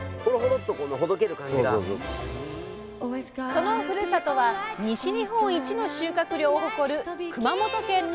そのふるさとは西日本一の収穫量を誇る熊本県の山鹿市です。